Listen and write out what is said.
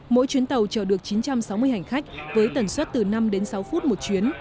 mỗi chuyến tàu chở được chín trăm sáu mươi hành khách với tần suất từ năm đến sáu phút một chuyến